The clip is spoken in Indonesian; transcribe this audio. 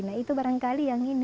nah itu barangkali yang ini